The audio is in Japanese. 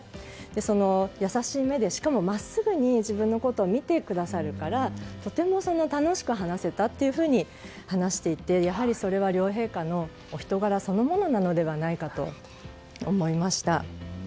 その優しい目でしかも真っすぐに自分のことを見てくださるからとても楽しく話せたというふうに話していて、それは両陛下のお人柄そのものなのではないかと思いました。